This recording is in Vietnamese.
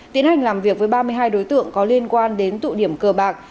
tiến hành làm việc với ba mươi hai đối tượng có liên quan đến tụ điểm cờ bạc